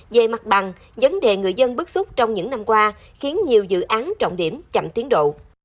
dây mặt bằng vấn đề người dân bức xúc trong những năm qua khiến nhiều dự án trọng điểm chậm tiến độ